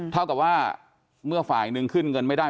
เท่ากับว่าเมื่อฝ่ายหนึ่งขึ้นเงินไม่ได้